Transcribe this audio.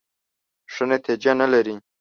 ښه نتیجه نه لري .